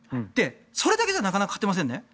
それだけじゃなかなか勝てませんね。